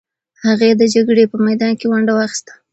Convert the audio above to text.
هغې د جګړې په میدان کې ونډه واخیسته.